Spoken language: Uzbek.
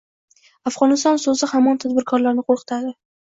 Afg‘oniston so‘zi hamon tadbirkorlarni qo‘rqitadi